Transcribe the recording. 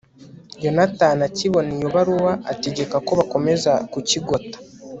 yonatani akibona iyo baruwa, ategeka ko bakomeza kukigota